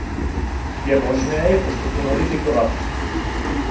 Je možné je postupně modifikovat.